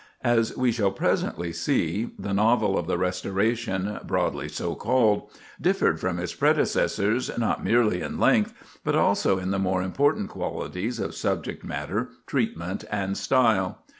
As we shall presently see, the novel of the Restoration, broadly so called, differed from its predecessors not merely in length, but also in the more important qualities of subject matter, treatment, and style.